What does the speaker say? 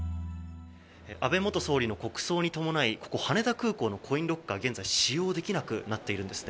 安倍元総理の国葬に伴いここ羽田空港のコインロッカー現在使用できなくなっています。